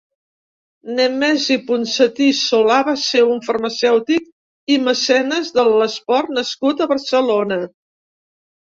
Nemesi Ponsati Solà va ser un farmacèutic i mecenes de l'esport nascut a Barcelona.